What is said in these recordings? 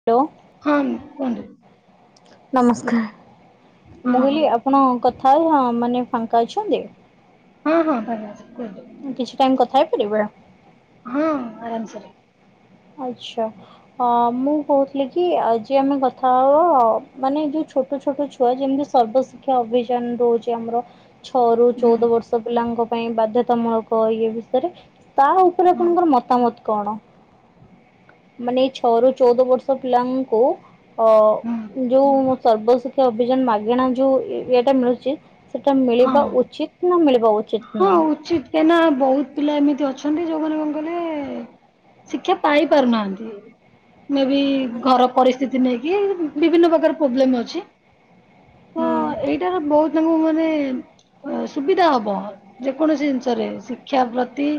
ତୋ। ହମ କୁହନ୍ତୁ। ନମସ୍କାର ମୁଁ ହଁ ହଁ କହିଲି ଆପ ଆପଣ କଥା ହଁ ମାନେ ଫାଙ୍କା ଅଛନ୍ତି? ହଁ ହଁ ଫାଙ୍କା ଅଛି କୁହନ୍ତୁ। କିଛି ଟାଇମ କଥା ହେଇ ପାରିବ ରା। ହଁ ଆରାମସରେ। ଆଚ୍ଛା ହଁ ମୁଁ କହୁଥିଲି କି ଆଜି ଆମେ କଥା ହବା ମାନେ ଯୋଉ ଛୋଟ ଛୋଟ ଛୁ ପ୍ରାୟ ଯେମିତି ସର୍ବ ଶିକ୍ଷା ଅଭିଯାନ ରହୁଛି ଆମର ଛଅ ରୁ ହୁଁ ଚଉଦ ବର୍ଷ ପିଲାଙ୍କ ପାଇଁ ବାଧ୍ୟତାମୂଳକ ୟେ ଭିତରେ ତା ଉପରେ ହଁ ଆପଣଙ୍କର ମତାମତ କଣ? [unintelligible] ମାନେ ଏ ଛଅରୁୁ ଚଉଦ ବର୍ଷ ପିଲାଙ୍କୁ ଅ ହୁଁ ଯୋଉ ସର୍ବଶ ତୋ ଅଭିଯାନ ମାଗଣା ଯୋଉ ଇଏଟା ମିଳୁଛି ସେଟା ମିଳିବା ହଁ ଉଚିତ୍ ନା ମିଳିବା ଉଚିତ ହଁ ନୁହେଁ? ଉଚିତ କାହିଁକି ନା ବହୁତ ପିଲା ଏମିତି ଅଛନ୍ତି ଯୋଉମାନେ କଣ କହିଲେ? ଶିକ୍ଷା ପାଇ ପାରୁନାହାନ୍ତି। ମେ ବି ଘର ପରିସ୍ଥିତି ନେଇକି ବିଭିନ୍ନ ପ୍ରକାର ପ୍ରୋବ୍ଲେମ ଅଛି। ହ ହୁଁ ଏଇଟାର ବହୁତ ତାଙ୍କୁ ମାନେ ସୁବିଧା ହବ ଯେକୌଣସି ଜିନିଷରେ ଶିକ୍ଷା ପ୍ରତି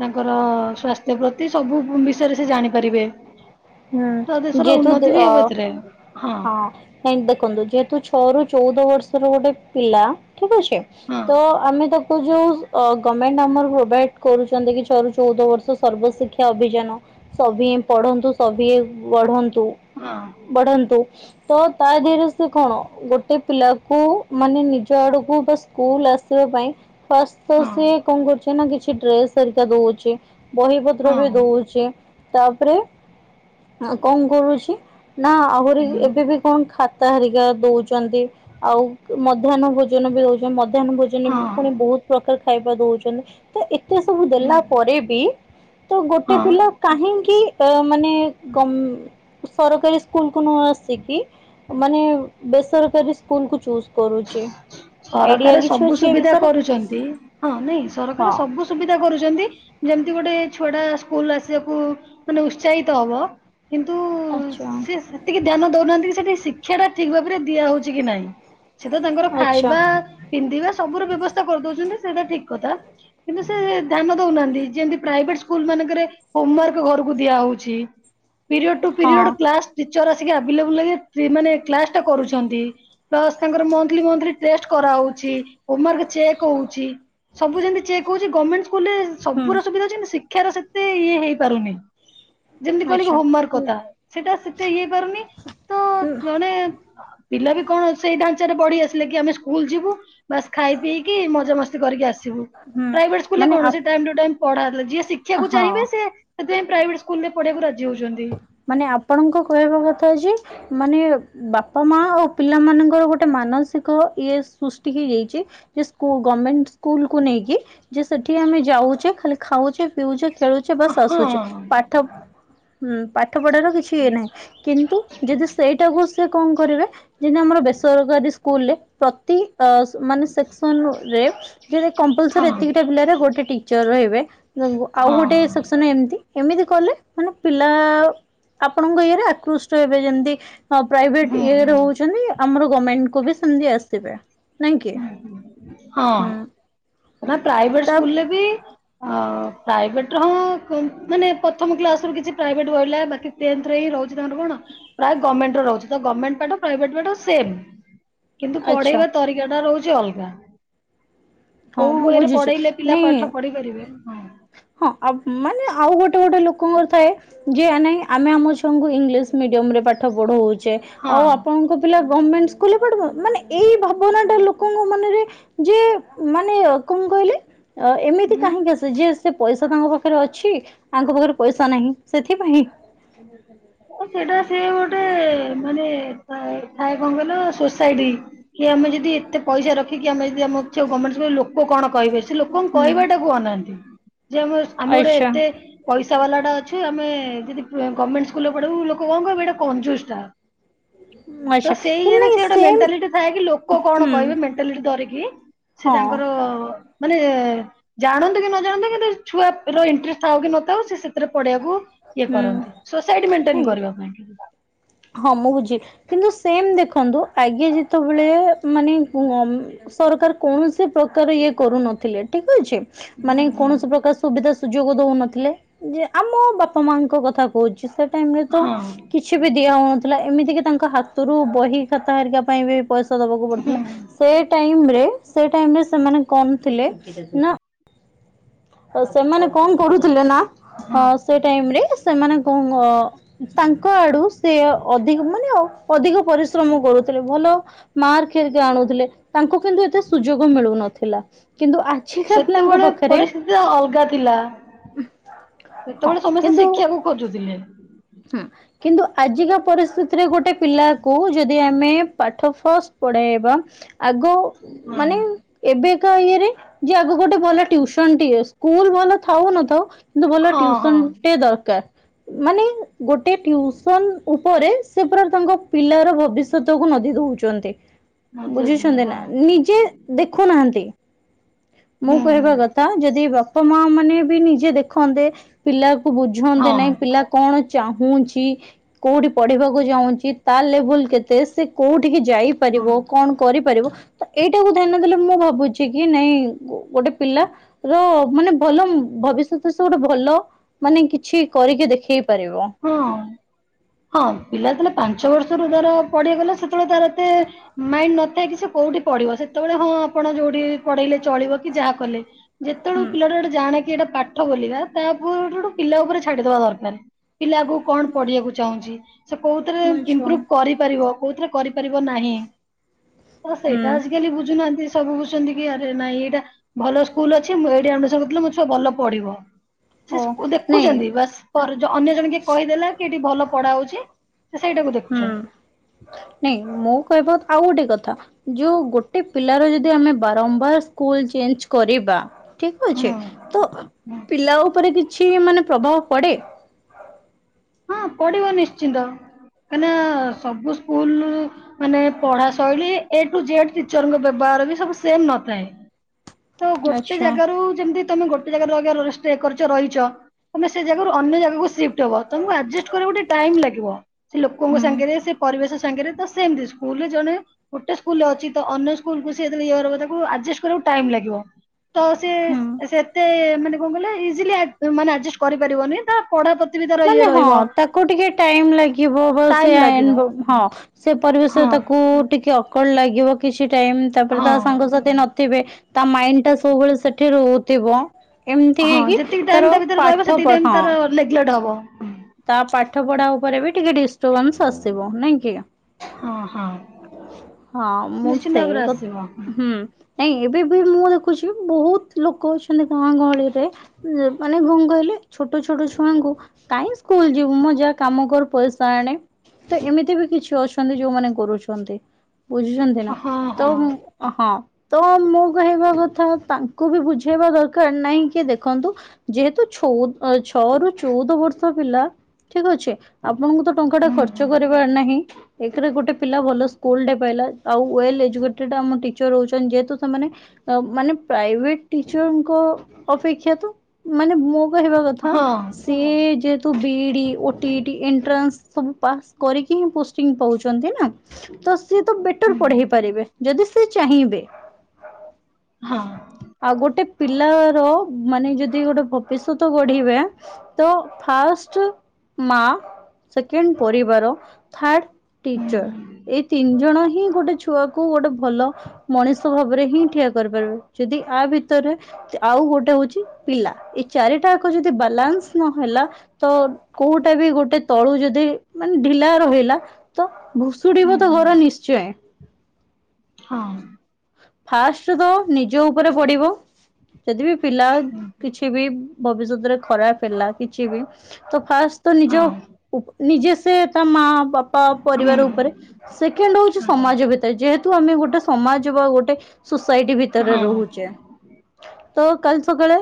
ତାଙ୍କର ସ୍ବାସ୍ଥ୍ୟ ପ୍ରତି ସବୁ ବିଷୟରେ ସେ ଜାଣିପାରିବେ। ତ ହୁଁ ଦେଶର ଯିଏ ଠୁ ଉନ୍ନତି ବି ଦିଅ ହେବ ଏଥିରେ ହଁ ନାଇଁ ଦେଖନ୍ତୁ ଯେହେତୁ ଛଅ ରୁ ଚଉଦ ବର୍ଷର ଗୋଟେ ପିଲା ଠିକ ଅଛି ହଁ ତ ଆମେ ତାକୁ ଏ ଯୋଉ ଗଭର୍ଣ୍ଣମେଣ୍ଟ ଆମର ପ୍ରୋଭାଇଡ କରୁଛନ୍ତି କି ଛଅ ରୁ ଚଉଦ ବର୍ଷ ସର୍ବଶିକ୍ଷା ଅଭିଯାନ ସଭିଏଁ ପଢନ୍ତୁ ସଭିଏଁ ବଢନ୍ତୁ। ହଁ। ବଢ଼ନ୍ତୁ। ତ ତା ଦେହରୁ ସେ କଣ ଗୋଟେ ପିଲାକୁ ମାନେ ନିଜ ଆଡକୁ ବାସ ସ୍କୁଲ ଆସିବା ପାଇଁ ଫାଷ୍ଟ ତ ସିଏ ହଁ କଣ କରୁଛି ନା କିଛି ଡ୍ରେସ ହେରିକା ଦଉଛି ବହି ପତ୍ର ହଁ ବି ଦଉଛି ତାପରେ ଆଉ କଣ କରୁଛି ନା ଆହୁରି ଏବେ ବି କଣ ଖାତା ଖାତା ହାରିକା ଦଉଛନ୍ତି ଆଉ ମଧ୍ୟାହ୍ନ ଭୋଜନ ବି ଦଉଛନ୍ତି ମଧ୍ୟାହ୍ନ ଭୋଜନ ତିନି ପୁଣି ହଁ ବହୁତ ପ୍ରକାର ଖାଇବା ଦଉଛନ୍ତି ତ ଏତେ ସବୁ ଦେଲା ପରେ ବି ତ ଗୋଟେ ହଁ ପିଲା କାହିଁକି ଅ ମାନେ ଗମ୍ ସରକାରୀ ସ୍କୁଲ କୁ ନ ଆସି କି ମାନେ ବେସରକାରୀ ସ୍କୁଲ କୁ ଚୁଜ୍ ସରକାର ସବୁ ଅଛି ଏ ସୁବିଧା ବିଷୟରେ? କରୁଛନ୍ତି ହଁ ନାଇଁ ହଁ ସରକାର ସବୁ ସୁବିଧା କରୁଛନ୍ତି ଯେମିତି ଗୋଟେ ଛୁଆଟା ସ୍କୁଲ ଆସିବାକୁ ମାନେ ଉତ୍ସାହିତ ହବ। କିନ୍ତୁ ଆଚ୍ଛା ସେ ସେତିକି ଧ୍ୟାନ ଦଉନାହାନ୍ତି କି ସେଠି ଶିକ୍ଷା ଟା ଠିକ ଭାବରେ ଦିଆ ହଉଛି କି ନାହିଁ ସେତ ତାଙ୍କର ଆଚ୍ଛା ଖାଇବା, ପିନ୍ଧିବା ସବୁର ବ୍ୟବସ୍ଥା କରିଦଉଛନ୍ତି ସେଇଟା ଠିକ କଥା। କିନ୍ତୁ ସେ ଧ୍ୟାନ ଦଉନାହାନ୍ତି ଯେମିତି ପ୍ରାଇଭେଟ ସ୍କୁଲ ମାନଙ୍କରେ ହୋମୱାର୍କ ଘରକୁ ଦିଆ ହଉଛିି ପିରିୟଡ଼ ଟୁ ହଁ ପିରିୟଡ଼ କ୍ଲାସ ଟିଚର ଆସିକି ଆଭେଲେବୁଲ ହେଇକି ମାନେ କ୍ଲାସ ଟା କରୁଛନ୍ତି ପ୍ଲସ୍ ତାଙ୍କର ମନ୍ଥଲି ମନ୍ଥଲି ଟେଷ୍ଟ କରାହଉଛି, ହୋମୱର୍କ ଚେକ୍ ହଉଛି। ସବୁ ଯେମିତି ଚେକ୍ ହଉଚି ଗଭର୍ଣ୍ଣମଣ୍ ସ୍କୁଲରେ ହୁଁ ସବୁର ସୁବିଧା ଅଛି କିନ୍ତୁ ଶିକ୍ଷାର ସେତେ ଇଏ ହେଇନି ହେଇପାରୁନି, ଯେମିତି କହିଲ କି ଆଚ୍ଛା। ହୋମୱାର୍କ କଥା ସେଟା ସେତଇ ହେଇପାରୁନି। ତ ଜଣେ ପିଲା ବି କଣ ସେଇ ଢାଞ୍ଚାରେ ବଢି ଆସିଲେ କି ଆମେ ସ୍କୁଲ ଯିବୁ। ବାସ୍ ଖାଇ ପିଇକି ମଜା ମସ୍ତି କରିକି ଆସିବୁ, ହୁଁ ପ୍ରାଇଭେଟ ସ୍କୁଲରେ ମାନେ ଆପ କଣ ପଢା ହେଲା। ଶିକ୍ଷାକୁ ଚାହିଁବେ ହଁ ସେ ସେଥିପାଇଁ ପ୍ରାଇଭେଟ ସ୍କୁଲରେ ପଢିବାକୁ ରାଜି ହଉଛନ୍ତି। ମାନେ ଆପଣଙ୍କ କହିବା କଥା ଯେ ମାନେ ବାପା ମା ଆଉ ପିଲା ମାନଙ୍କର ଗୋଟେ ମାନସିକ ଇଏ ସୃଷ୍ଟି ହେଇଯାଇଛି ସ୍କୁଲ ଗଭର୍ଣମେଣ୍ଟ ସ୍କୁଲକୁୁ ନେଇକି ଯେ ସେଠି ଆମେ ଯାଉଛେ ଖାଲି ଖାଉଛେ ପିଉଛେ ଖେଳୁଛେ ହଁ ବାସ ଆସୁଛି ପାଠ ପାଠ ପଢାର କିଛି ଇଏ ନାହିଁ କିନ୍ତୁ ଯଦି ସେଇଟାକୁ ସେି କଣ କରିବେ ଯେମିତି ଆମର ବେସରକାରୀ ସ୍କୁଲରେ ପ୍ରତି ମାନେ ସେକ୍ସନ ରେ କମ୍ପଲସରି ହଁ ହଁ ଏତିକିଟା ପିଲାରେ ଗୋଟେ ଟିଚର ରହିବେ ଆଉ ହଁ ଗୋଟେ ଅଛି ନା ଏମିତି? ଏମିତି କଲେ ମାନେ ପିଲା ଆପଣଙ୍କ ଇଏରେ ଆକୃଷ୍ଟ ହେବେ ଯେମିତି ହଁ ପ୍ରାଇଭେଟ ହୁଁ ହୁଁ ଇଏରେ ହଉଛନ୍ତି ଆମର ଗଭମେଣ୍ଟ କୁ ବି ସେମତି ଆସିବେ। ନାଇଁ କି ହଁ, ହୁଁ ନା ପ୍ରାଇଭେଟ ତା ସ୍କୁଲରେ ବି ହଁ ପ୍ରାଇଭେଟ ର ହଁ ମାନେ ପ୍ରଥମ କ୍ଲାସରୁ କିଛି ପ୍ରାଇଭେଟ ରହିଲା ବାକି ରେ ହିଁ ରହୁଛି ତାଙ୍କର କଣ ପ୍ରାୟ ଗଭର୍ନମେଣ୍ଟର ରହୁଛି ଗର୍ଣ୍ଣମେଣ୍ଟ ପାଠ ପ୍ରାଇଭେଟ ପାଠ ସେମ। କିନ୍ତୁ ଆଚ୍ଛା ପଢେଇବା ତରିକା ଟା ରହୁଛି ଅଲଗା। ହଁ କୋଉ ମୁଁ ୱେରେ ବୁଝୁଛି ପଢେଇଲେ ପିଲା ନାଇଁ ପାଠ ପଢି ପାରିବେ ହଁ ଆ ମାନେ ଆଉ ଗୋଟେ ଗୋଟେ ଲୋକଙ୍କର ଥାଏ ଯେ ନାଇ ଆମେ ଆମ ଝିଅ ଙ୍କୁ ଇଂଲିଶ ମିଡିୟମ ରେ ପାଠ ପଢଉଛେ ଆଉ ଆପଣଙ୍କୁ ପିଲା ଗଭର୍ଣମେଣ୍ଟ ସ୍କୁଲରେ ପଢିବ ମାନେ ଏଇ ଭାବନାଟା ଲୋକଙ୍କ ମନରେ ଯେ ମାନେ କଣ କହିଲେ ଏମିତି କାହିଁକି ଆସେ ଯେ ସେ ପଇସା ତାଙ୍କ ପାଖରେ ଅଛି ଆଙ୍କ ପାଖରେ ପଇସା ନାହିଁ ସେଥିପାଇଁ। [unintelligible] ସେଇଟା ସିଏ ଗୋଟେ ମାନେ ଥାଏ କଣ କହିଲ ସୋସାଇଟି। କି ଆମେ ଯଦି ଏତେ ପଇସା ରଖିକି ଆମେ ଯଦି ଆମ ଗଭର୍ଣ୍ଣମେଣ୍ଟ ଲୋକ କଣ କହିବେ ସେ ଲୋକଙ୍କୁ କହିବାଟାକୁ ଅନାନ୍ତି। ଯେ ଆମେ ଆମେ ଗୋଟେ ଆଚ୍ଛା ଏତେ ପଇସା ବାଲାଟା ଅଛୁ ଆମେ ଯଦି ଗଭର୍ନମେଣ୍ଟ ସ୍କୁଲରେ ପଢିବୁ ଲୋକ କଣ କହିବେ ଏଟା କଞ୍ଜୁଶଟା। ତ ଆଚ୍ଛା ସେଇ କି ଇଏରେ ନାଇଁ ସେ ଗୋଟେ ସେମ୍ ମେଣ୍ଟାଲିଟି ଥାଏ କି ଲୋକ କଣ ହୁଁ କହିବେ ମେଣ୍ଟାଲିଟି ଧରିକି। ସେ ହଁ ତାଙ୍କର ମାନେ ଜାଣନ୍ତୁ କି ନ ଜାଣନ୍ତୁ କିନ୍ତୁ ଛୁଆର ଇଣ୍ଟ୍ରେଷ୍ଟ ଥାଉ କି ନଥାଉ ସେ ସେଥିରେ ପଢେଇଆକୁ ଇଏ ହୁଁ କରନ୍ତି ସୋସାଇଟି ମେଣ୍ଟେନ ନାଇଁ କରିବା ପାଇଁ କି ନା। ହଁ ମୁଁ ବୁଝିଲି କିନ୍ତୁ ସେମ ଦେଖନ୍ତୁ ଆଗେ ଯେତେବେଳେ ମାନେ ସରକାର କୌଣସି ପ୍ରକାର ଇଏ କରୁନଥିଲେ ଠିକ ଅଛି ହଁ ମାନେ କୌଣସି ପ୍ରକାର ସୁବିଧା ସୁଯୋଗ ଦଉନଥିଲେ ଯେ ଆମ ବାପା ମାଙ୍କ କଥା କହୁଛି ସେ ଟାଇମରେ ତ ହଁ କିଛି ବି ଦିଆ ହଉନଥିଲା ଏମିତିକି ତାଙ୍କ ହାତରୁ ବହି ଖାତା ହେରିକା ପାଇଁ ବି ପଇସା ଦବାକୁ ପଡୁଥିଲା ସେ ଟାଇମ୍ ରେ ସେମାନେ କଣ ଥିଲେ ନା ସେମାନେ କଣ କରୁଥିଲେ ନା ହଁ। ସେ ଟାଇମରେ ସେମାନେ କଣ ତାଙ୍କ ଆଡୁ ସେ ଅଧିକ ମାନେ ଆଉ ଅଧିକ ପରିଶ୍ରମ କରୁଥିଲେ, ଭଲ ମାର୍କେ ଆଣୁଥିଲେ। ତାଙ୍କୁ କିନ୍ତୁ ଏତେ ସୁଯୋଗ ମିଳୁନଥିଲା କିନ୍ତୁ ଆଛିିକା ପିଲାଙ୍କ ପାଖରେ ସେ ଅଲଗା ଥିଲା ହଁ ସେତେବେଳେ ସମସ୍ତେ ଶିକ୍ଷାକୁ ଖୋଜୁଥିଲେ। ହଁ। କିନ୍ତୁ ଆଜିକା ପରିସ୍ଥିତିରେ ଗୋଟେ ପିଲାକୁ ଯଦି ଆମେ ପାଠ ଫାଷ୍ଟ ପଢ଼ାଇବା ଆଗ ହଁ ମାନେ ଏବେକା ଇଏରେ ଯେ ଆଗ ଗୋଟେ ଭଲ ଟ୍ୟିସନ୍ ଟିଏ ସ୍କୁଲ ଭଲ ଥାଉ ନଥାଉ କିନ୍ତୁ ଭଲ ହଁ ହଁ ଟିଉସନ ଟେ ଦରକାର। ମାନେ ଗୋଟେ ଟିଉସନ ଉପରେ ସେ ପୁରା ତାଙ୍କ ପିଲାର ଭବିଷ୍ୟତକୁ ନଦି ଦଉଛନ୍ତି। ବୁଝୁଛି ବୁଝୁଛନ୍ତି ହଁ ନା ନିଜେ ଦେଖୁନାହାନ୍ତି ମୁଁ କହିବା ହୁଁ କ ଥା ଯଦି ବାପା ମା ମାନେ ବି ନିଜେ ଦେଖନ୍ତେ ପିଲାକୁ ବୁଝନ୍ତେ ହଁ ନାଇଁ ପିଲା କଣ ଚାହୁଁଛି କୋଉଠି ପଢିବାକୁ ଚାହୁଁଛି ତା ଲେଭୁଲ କେତେ ସେ କୋଉଠିିକି ଯାଇ ପାରିବ, ହଁ କଣ କରିପାରିବ ତ ଏଇଟାକୁ ଧ୍ୟାନ ଦେଲେ ମୁଁ ଭାବୁଛି କି ନାଇଁ ଗୋଟେ ପିଲା ର ମାନେ ଭଲ ଭବିଷ୍ୟତ ସେ ଗୋଟେ ଭଲ ମାନେ କିଛି କରିକି ଦେଖେଇ- ପାରିବ। ହଁ। ହଁ, ପିଲା ଯେତେବେଳେ ପାଞ୍ଚ ବର୍ଷ ରୁ ତାର ପଢିଗଲା ସେତେବେଳେ ତାର ଏତେ ମାଇଣ୍ଡ ନଥାଏ କି ସେ କୋଉଠି ପଢିବ? ସେତେବେଳେ ହଁ ଆପଣ ଯୋଉଠି ପଢେଇଲେ ଚଳିବ କି ଯାହା କଲେ ଯେତେବେଳ ହୁଁ ପିଲା ଗୋଟେ ଜାଣେ କି ଏଇଟା ପାଠ ବଲିବା ତା ଉପରୁ ଗୋଟୁ ପିଲା ଉପରେ ଛାଡିଦବା ଦରକାର। ପିଲା ଆଗକୁ କଣ ପଢିବାକୁ ଚାହୁଁଛି? ସେ କୋଉଥିରେ ମୋ ଛୁଆ ଇମ୍ପରୁଭୁ କରିପାରିବ କୋଉଥିରେ କରିପାରିବ ନାହିଁ। ତ ହୁଁ ସେଇଟା ଆ ଜି କାଲି ବୁଝୁନାହାନ୍ତି ସବୁ ବୁଝୁଛନ୍ତି କି ଆରେ ନାଇଁ ଏଇଟା ଭଲ ସ୍କୁଲ ଅଛି ମୁଁ ଏଇଠି ଆଡମିସନ କରିଥିଲେ ମୋ ଛୁଆ ଭଲ ପଢିବ। ସେ ଓ ନାଇଁ ଦେଖୁଛନ୍ତି ବାସ୍ ପରେ ଯ ଅନ୍ୟ ଜଣେ କିଏ କହିଦେଲା କି ଏଇଠି ଭଲ ପଢା ହଉଛି ସେଇଟାକୁ ହୁଁ। ଦେଖୁଛନ୍ତି। ନାଇଁ ମୁଁ କହିବା ଆଉ ଗୋଟେ କଥା, ଯୋଉ ଗୋଟେ ପିଲାର ଯଦି ଆମେ ବାରମ୍ବାର ମ୍ବାର ସ୍କୁଲ ଚେଞ୍ଜ କରିବା ଠିକ ଅଛି ହୁଁ ତ ହୁଁ ପିଲା ଉପରେ କି- ଛି ମାନେ ପ୍ରଭାବ ପଡ଼େ। ହଁ, ପଡିବ ନିଶ୍ଚିନ୍ତ। କାହିଁକିନା ସବୁ ସ୍କୁଲରୁ ମାନେ ପଢା ଶୈଳୀ ଏ ଟୁ ଜେଡ ଟିଚରଙ୍କ ବ୍ୟବହାର ବି ସବୁ ସେମ ନଥାଏ। [inaudible] ତ ଗୋଟେ ଆଚ୍ଛା। ଜାଗାରୁ ଯେମିତି ତମେ ଗୋଟେ ଜାଗାରେ [unintelligible] ଷ୍ଟେ କରିଛ ରହିଛ। ତମେ ସେ ଜାଗାରୁ ଅନ୍ୟ ଜାଗାକୁ ସିଫ୍ଟ ହେବ ତମକୁ ଆଡଜେଷ୍ଟ କରିବାକୁ ଟିକେ ଟାଇମ ଲାଗିବ। ସେ ଲୋକଙ୍କ ହୁଁ ସାଙ୍ଗରେ ସେ ପରିବେଶ ସାଙ୍ଗରେ ତ ସେମତି ସ୍କୁଲରେ ଜଣେ ଗୋଟେ ସ୍କୁଲରେ ଅଛି ତ ଅନ୍ୟ ସ୍କୁଲକୁ [unintelligible] ଆଡଜେଷ୍ଟ କରିବାକୁ ଟାଇମ୍ ଲାଗିବ। ତ ସେ ହୁଁ ସେତେ ମାନେ କଣ କହିଲ ଇଜିଲି ଆଡ଼ଜ ମାନେ ଆଡଜେଷ୍ଟ କରି ପାରିବନି ତା ପଢା ପ୍ରତି ବି ତାର ଇଏ ମାନେ ହଁ ରହିବ ତାକୁ ଟିକେ ଟାଇମ ଲାଗିବ ଟାଇମ ଲାଗିବ [unintelligible] ହଁ। ସେ ହଁ ପରିବେଶରେ ତାକୁ ଟିକେ ଅକୱାର୍ଡ ଲାଗିବ କିଛି ଟାଇମ ତାପରେ ହଁ। ତା ସାଙ୍ଗସାଥି ନଥିବେ ତା ମାଇଣ୍ଡ ଟା ସବୁବେଳେ ସେଠି ରହୁଥିବ। ଏମିତି ହଁ ହେଇକି ତାର ପାଠ ପଢ ହଁ ନେଗଲଟ ହବ। ତା ପାଠ ପଢା ଉପରେ ବି ଟିକେ ଡିଷ୍ଟର୍ବାନ୍ସ ଆସିବ ନାଇଁ କି। ହଁ ହଁ। ହଁ ମୁଁ ନିଶ୍ଚିନ୍ତ ଭାବରେ ସେଇକ ଆସିବ। ହୁଁ। ନାଇଁ ଏବେ ବି ମୁଁ ଦେଖୁଛି ବହୁତ ଲୋକ ଅଛନ୍ତି ଗାଁ ଗହଳିରେ ମାନେ ଘ କହିଲେ ଛୋଟ ଛୋଟ ଛୁଆଙ୍କୁ। କାଇହିଁ ସ୍କୁଲ ଯିବୁ ମଁ ଯାହା କାମ କର ପଇସା ଆଣେ? ତ ଏମିତି ବି କିଛି ଅଛନ୍ତି ଯୋଉମାନେ କରୁଛନ୍ତି ବୁଝୁଛନ୍ତି ନା ହଁ ତ। ହଁ ହଁ, ତ ମୁଁ କହିବା କଥା ତାଙ୍କୁ ବି ବୁଝେଇବା ଦରକାର ନହିଁ କିଏ ଦେଖନ୍ତୁ। ଯେହେତୁ ଛଅ ରୁ ଚଉଦ ବର୍ଷ ପିଲା ଠିକ ଅଛେ। ଆପଣଙ୍କୁ ତ ଟଙ୍କା ଟା ହୁଁ ଖର୍ଚ୍ଚ ହୁଁ କରିବାର ନାହିଁ ଏକରେ ଗୋଟେ ପିଲା। ଭଲ ସ୍କୁଲ ପାଇଲା ଆଉ ୱଲ ଏଜକୁଟେଡ ଆମ ଟିଚର ରହୁ ଯେହେତୁ ସେମାନେ। ଅ ମାନେ ପ୍ରାୟ [unintelligible] ଙ୍କ ଅପେକ୍ଷାାନ ମ ହେ କଥା ହଁ [unintelligible] ସିଏ ଯେହେତୁ BE D, O T E T, entrance ସବୁ ପାସ୍ କରିକି ହିଁ ପୋଷ୍ଟିଂ ପାଉଛନ୍ତି ନା। ତ ସିଏ ତ ବେଟର ହୁଁ ପଢେଇ ପାରିବେ ଯଦି ସିଏ ଚାହିଁବେ। ହଁ ଆଉ ଗୋଟେ ପିଲାର ମାନେ ଯଦି ଗୋଟେ ଭବିଷ୍ୟତ ଗଢିବେ ତ ଫାଷ୍ଟ ମା ସେକେଣ୍ଡ ପରିବାର ଥାର୍ଡ ହୁଁ ଟିଚର ହୁଁ ଏଇ ତିନି ଜଣ ହିଁ ଗୋଟେ ଛୁଆକୁ ଗୋଟେ ଭଲ ମଣିଷ ଭାବରେ ହିଁ ଠିଆ କରିପାରିବେ। ଯଦି ଆ ଭିତରେ ଆଉ ଗୋଟେ ହଉଛି ପିଲା ଏଇ ଚାରିଟାକ ଯଦି ବାଲାନ୍ସ ନହେଲା ତ କୋଉଟା ବି ଗୋଟେ ତଳୁ ଯଦି ମାନେ ଢିଲା ରହିଲା, ତ ଭୁ ହୁଁ ଶୁଡ଼ିବ ତ ହୁଁ ଘର ନିଶ୍ଚୟ। ହଁ। ଫାଷ୍ଟ ତ ନିଜ ଉପରେ ପଡିବ, ଯଦି ବିି ପିଲା ହୁଁ କିଛି ବି ଭବିଷ୍ୟତରେ ଖରାପ ହେଲା କିଛି ବି ତ ଫାଷ୍ଟ ତ ନିଜ ହଁ ଉପ ନିଜେ ସେ ତା ମା ବାପା ପରିବାର ହୁଁ ଉପରେ। ସେକେଣ୍ଡ ହଉଛି ଆଚ୍ଛା ସମାଜ ଭିତରେ ଯେହେତୁ ଆମେ ଗୋଟେ ସମାଜ ବା ଗୋଟେ ସୋସାଇଟି ହଁ ଭିତରେ ରହୁଚେ। ତ କାଲି ସକାଳେ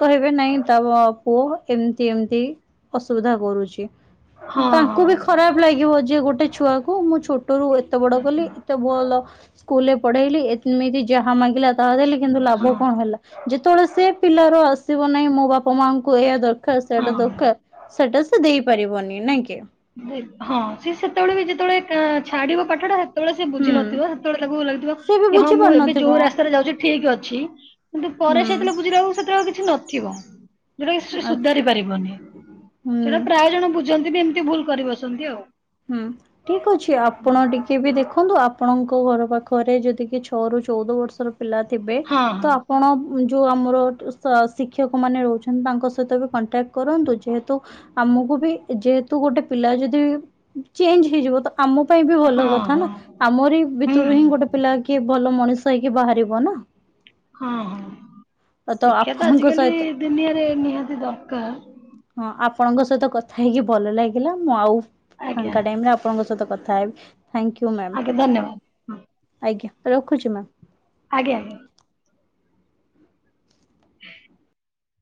କହିବେ ନାଇଁ ତା ବା ପୁଅ ଏମିତି ଏମିତି ଅସୁବିଧା କରୁଚି। ହଁ ହଁ ତାଙ୍କୁ ବି ଖରାପ ଲାଗିବ ଯିଏ ଗୋଟେ ଛୁଆକୁ ମୁଁ ଛୋଟ ରୁ ଏତେ ବଡ କଲି ଆଚ୍ଛା ଏତେ ଭଲ ସ୍କୁଲରେ ପଢେଇଲି ଏମିତି ଯାହା ମାଗିଲା ତାହା ଦେଲି କିନ୍ତୁ ହଁ ଲାଭ କଣ ହେଲା। ଯେତେବେଳେ ସେ ପିଲାର ଆସିବ ନାହିଁ ମୋ ବାପା ମାଙ୍କୁ ଏଇ ଦରକାର ସେଆଟା ହଁ। ଦରକାର ସେଇଟା ସେ ଦେଇ ପାରିବନି। ନାଇଁ କି? ହଁ ସି ସେତେବେଳେ ବି ଯେତେବେଳେ ଛାଡିବ ପାଠଟା ସେତେବେଳେ ସେ ହୁଁ ବୁଝି ନଥିବ ସେତେବେଳେ ତାକୁ ଲାଗଥିବ ସେ ବି କି ହଁ ବୁଝି ମୁଁ ଏବେ ପାରୁନଥିବ ଯୋଉ ରାସ୍ତାରେ ଯାଉଚି ଠିକ ଅଛି କିନ୍ତୁ ପରେ ହୁଁ ସେତେବେଳେ ବୁଝିଲକୁ ସେତେବେ ଆ କିଛି ନଥିବ। ଯୋଉଟା କି ସେ ଆଛା ସୁଧାରି ପାରିବନି ହୁଁ। ସେଇଟା ପ୍ରାୟ ଜଣ ବୁଝନ୍ତିନି ଏମିତି ଭୁଲ କରି ବସନ୍ତି ଆଉ। ହୁଁ ଠିକ ଅଛି ଆପଣ ଟିକେ କେ ବି ଦେଖନ୍ତୁ ଆପଣଙ୍କ ଘର ପାଖରେ ଯଦି କି ଛଅ ରୁ ଚଉଦ ବର୍ଷର ପିଲା ଥିବେ ହଁ ତ ଆ ପଣ ଯେଉଁ ଆମର ଶିକ୍ଷକମାନେ ରହୁଛନ୍ତି ତାଙ୍କ ସହିତ ବି କଣ୍ଟାକ୍ଟ କରନ୍ତୁ। ଯେହେତୁ ଆମକୁ ବି ଯେହେତୁ ଗୋଟେ ପିଲା ଯଦି ଚେଞ୍ଜ ହେଇଯିବ ତ ଆମ ପାଇଁ ବି ଭଲ ହଁ କଥା ନା। ହଁ ଆମରି ହୁଁ ଭିତରୁ ହିଁ ଗୋଟେ ପିଲା କିଏ ଭଲ ମଣିଷ ହେଇକି ବାହାରିବ ନା। ହଁ ହଁ ଶିକ୍ଷା ତ ଆପଣଙ୍କ ଆଜିକାଲି ସହିତ ଦୁନିଆରେ ନିହାତି ଦରକାର। ହଁ ଆପଣଙ୍କ ସହିତ କଥା ହେଇକି ଭଲ ଲାଗିଲା ମୁଁ ଆଉ ଆଜ୍ଞା ଫାଙ୍କା ଟାଇମ୍ ରେ ଆ ଆପଣଙ୍କ ସହିତ କଥା ହେବି। ଥ୍ୟାଙ୍କ ୟୁ ମ୍ୟାମ, ଆଜ୍ଞା ଧନ୍ୟବାଦ ହଁ ଆଜ୍ଞା ରଖୁଚି ମ୍ୟାମ। ଆଜ୍ଞା ଆଜ୍ଞା। [inaudible]